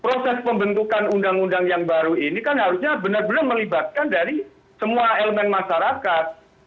proses pembentukan undang undang yang baru ini kan harusnya benar benar melibatkan dari semua elemen masyarakat